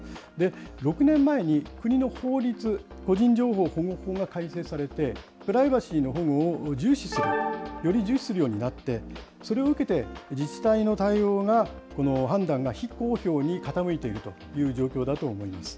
６年前に国の法律、個人情報保護法が改正されて、プライバシーの保護を重視する、より重視するようになって、それを受けて、自治体の対応が、判断が非公表に傾いているという状況だと思います。